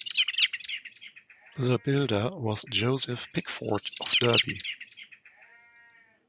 The builder was Joseph Pickford of Derby.